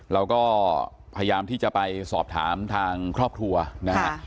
เราก็พยายามที่จะไปสอบถามทางครอบครัวนะฮะ